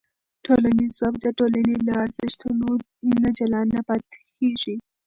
ټولنیز ځواک د ټولنې له ارزښتونو نه جلا نه پاتې کېږي.